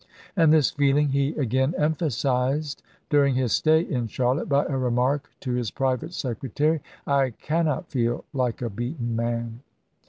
And this feeling he again emphasized during his stay in Charlotte by a remark to his private secretary, " I cannot feel like a beaten man."